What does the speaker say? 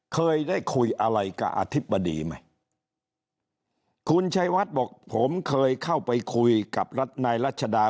เคยได้คุยอะไรกับอธิบดีไหมคุณชัยวัดบอกผมเคยเข้าไปคุยกับรัฐนายรัชดา